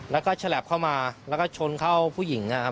แล้วก็ฉลับเข้ามาแล้วก็ชนเข้าผู้หญิงนะครับ